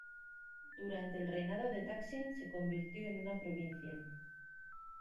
Durante el reinado de Taksin se convirtió en una provincia.